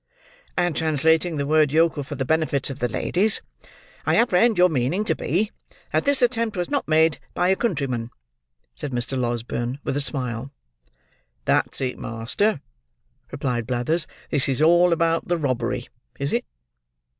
"And, translating the word yokel for the benefit of the ladies, I apprehend your meaning to be, that this attempt was not made by a countryman?" said Mr. Losberne, with a smile. "That's it, master," replied Blathers. "This is all about the robbery, is it?"